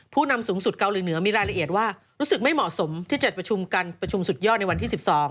นำสูงสุดเกาหลีเหนือมีรายละเอียดว่ารู้สึกไม่เหมาะสมที่จัดประชุมกันประชุมสุดยอดในวันที่๑๒